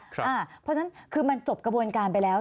เพราะฉะนั้นคือมันจบกระบวนการไปแล้ว